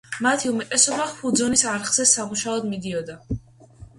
მათი უმეტესობა ჰუძონის არხზე სამუშაოდ მიდიოდა.